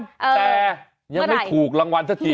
แต่ยังไม่ถูกรางวัลสักที